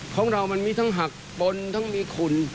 ของเรามันมีทั้งหักปนทั้งมีขุ่น